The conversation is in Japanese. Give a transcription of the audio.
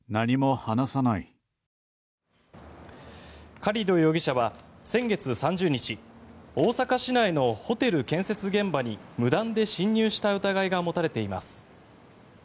カリド容疑者は先月３０日大阪市内のホテル建設現場に無断で侵入した疑いが持たれています。